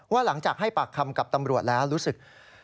หลังจากให้ปากคำกับตำรวจแล้วรู้สึก